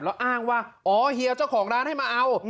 แล้วอ้างว่าอ๋อเฮียเจ้าของร้านให้มาเอา